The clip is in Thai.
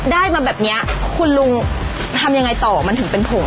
ได้มาแบบนี้คุณลุงทำยังไงต่อมันถึงเป็นผง